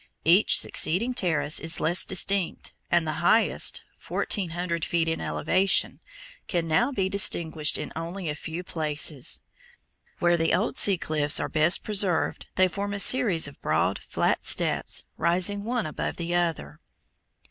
Each succeeding terrace is less distinct, and the highest, fourteen hundred feet in elevation, can now be distinguished in only a few places. Where the old sea cliffs are best preserved they form a series of broad, flat steps, rising one above the other.